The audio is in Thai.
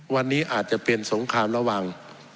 วันนี้อาจจะเป็นสงครามระหว่าง